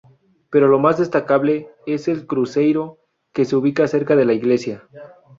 Pero lo más destacable, es el cruceiro que se ubica cerca de la iglesia.